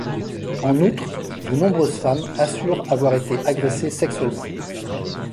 En outre, de nombreuses femmes assurent avoir été agressées sexuellement.